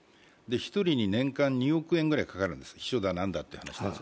１人に年間２億円ぐらいかかるんです、秘書だ何だって。